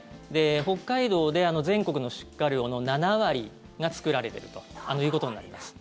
北海道で全国の出荷量の７割が作られているということになります。